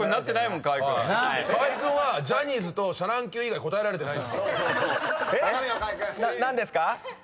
河合君はジャニーズとシャ乱Ｑ以外答えられてない。